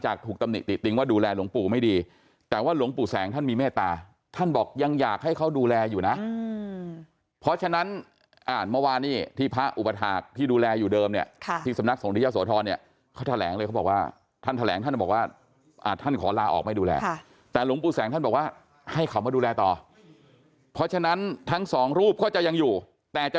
ถูกตำหนิติติงว่าดูแลหลวงปู่ไม่ดีแต่ว่าหลวงปู่แสงท่านมีเมตตาท่านบอกยังอยากให้เขาดูแลอยู่นะเพราะฉะนั้นอ่านเมื่อวานนี้ที่พระอุปถาคที่ดูแลอยู่เดิมเนี่ยที่สำนักสงฆ์ที่ยะโสธรเนี่ยเขาแถลงเลยเขาบอกว่าท่านแถลงท่านบอกว่าท่านขอลาออกไม่ดูแลแต่หลวงปู่แสงท่านบอกว่าให้เขามาดูแลต่อเพราะฉะนั้นทั้งสองรูปก็จะยังอยู่แต่จะ